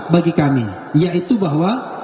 bagi kami yaitu bahwa